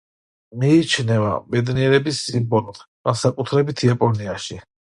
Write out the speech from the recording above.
მიიჩნევა ბედნიერების სიმბოლოდ, განსაკუთრებით იაპონიაში.